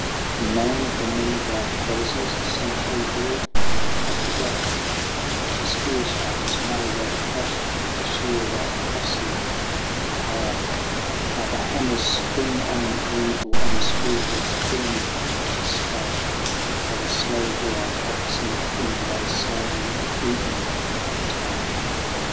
And, man of the many white croziers, a century there I forgot; That the spear shaft is made out of ash wood, the shield out of ozier and hide ; How the hammers spring on the anvil, on the spear head's burning spot ; How the slow, blue eyed oxen of Finn low sadly at evening tide.